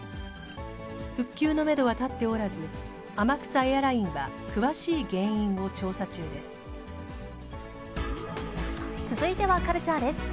復旧のメドは立っておらず、天草エアラインは詳しい原因を調続いてはカルチャーです。